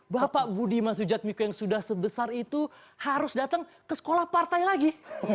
bapak budiman sujatmiko yang sudah sebesar itu harus datang ke sekolah partai lagi